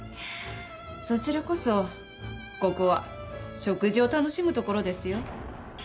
そちらこそここは食事を楽しむところですよ。